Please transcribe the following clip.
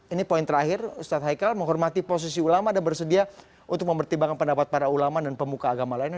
ini poin terakhir ustadz haikal menghormati posisi ulama dan bersedia untuk mempertimbangkan pendapat para ulama dan pemuka agama lainnya